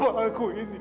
ayah macam apa aku ini